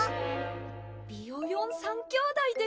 ビヨヨン３きょうだいでしょうか？